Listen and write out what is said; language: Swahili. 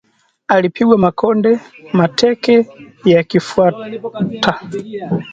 Alipigwa makonde, mateke yakifwata